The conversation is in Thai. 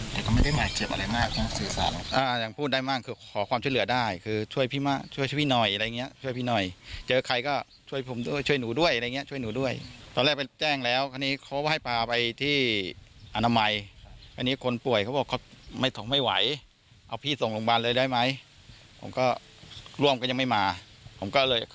แต่ก็ไม่ได้บาดเจ็บอะไรมากนะสื่อสารหรอกอ่ายังพูดได้มากคือขอความช่วยเหลือได้คือช่วยพี่ช่วยช่วยพี่หน่อยอะไรอย่างเงี้ยช่วยพี่หน่อยเจอใครก็ช่วยผมด้วยช่วยหนูด้วยอะไรอย่างเงี้ช่วยหนูด้วยตอนแรกไปแจ้งแล้วคราวนี้เขาก็ให้พาไปที่อนามัยอันนี้คนป่วยเขาบอกเขาไม่ส่งไม่ไหวเอาพี่ส่งโรงพยาบาลเลยได้ไหมผมก็ร่วมก็ยังไม่มาผมก็เลย